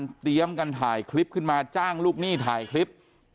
เตรียมกันถ่ายคลิปขึ้นมาจ้างลูกหนี้ถ่ายคลิป